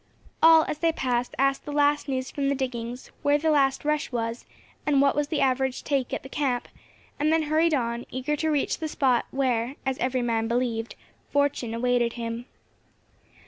All, as they passed, asked the last news from the diggings, where the last rush was, and what was the average take at the camp, and then hurried on, eager to reach the spot where, as every man believed, fortune awaited him.